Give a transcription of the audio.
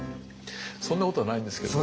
そんなことはないんですけれども。